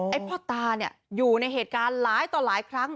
ไอ้พ่อตาอยู่ในร้ายต่อหลายครั้ง